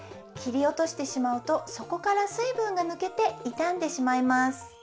きりおとしてしまうとそこからすいぶんがぬけていたんでしまいます。